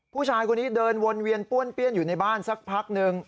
ผู้ชายคนนี้เดินวนเวียนป้วนเปี้ยนอยู่ในบ้านสักพักหนึ่ง